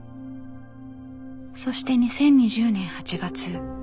そして２０２０年８月。